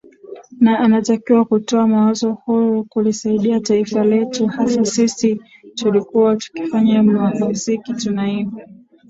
na anatakiwa kutoa mawazo huru kulisaidia taifa letu Hata sisi tulikuwa tukifanya muziki tunaimba